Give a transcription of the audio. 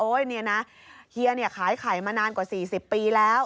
นี่นะเฮียขายไข่มานานกว่า๔๐ปีแล้ว